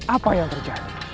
apa yang terjadi